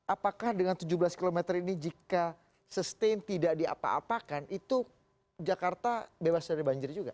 apakah dengan tujuh belas km ini jika sustain tidak diapa apakan itu jakarta bebas dari banjir juga